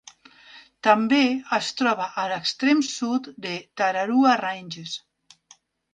També es troba a l'extrem sud de Tararua Ranges.